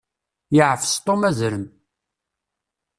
Yeɛfes Tom azrem.